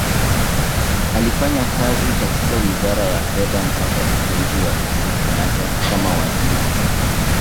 Alifanya kazi katika Wizara ya Fedha mpaka uteuzi wa Uhuru Kenyatta kama Waziri.